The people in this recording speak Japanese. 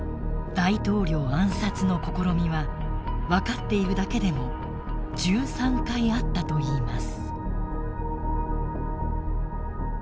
大統領暗殺の試みは分かっているだけでも１３回あったといいます。